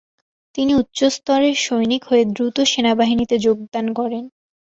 তিনি উচ্চস্তরের সৈনিক হয়ে দ্রুত সেনাবাহিনীতে যোগদান করেন।